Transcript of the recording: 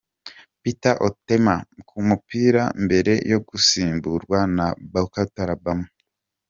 Peter Otema ku mupira mbere yo gusimburwa na Bokota Labama .